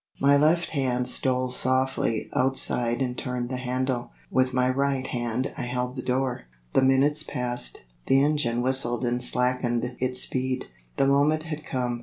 My left hand stole softly outside and turned the handle; with my right hand I held the door. The minutes passed; the engine whistled and slackened its speed. The moment had come.